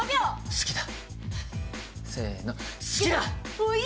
好きだ！